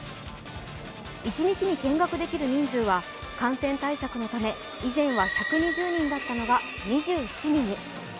一日に見学できる人数は感染対策のため以前は１２０人だったのが２７人に。